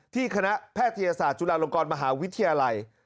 คณะแพทยศาสตร์จุฬาลงกรมหาวิทยาลัย